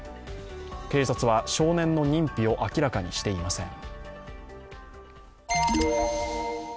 警察は、少年の認否を明らかにしていません。